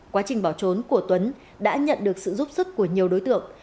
quá trình bỏ trốn của tuấn đã nhận được sự giúp sức của nhiều đối tượng